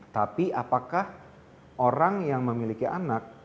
tapi apakah orang yang memiliki anak